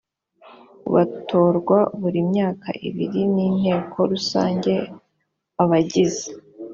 batorwa buri myaka ibiri n inteko rusange abagize